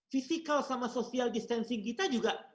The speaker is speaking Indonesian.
physical sama social distancing kita juga